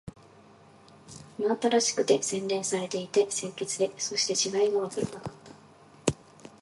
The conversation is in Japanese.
真新しくて、洗練されていて、清潔で、そして違いがわからなかった